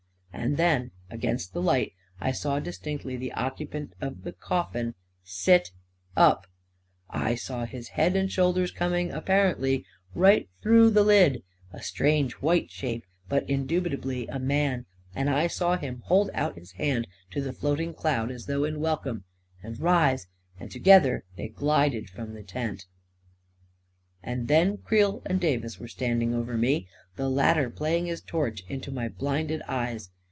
. And then, against the light, I distinctly saw the occupant of the coffin sit up — I saw his head and shoulders coming, apparently, right through the lid; a strange white shape, but indubitably a man ; and I saw him hold out his hand to the floating cloud, as though in welcome, and rise; and together they glided from the tent ... And then Creel and Davis were standing over me, the latter playing his torch into my blinded eyes.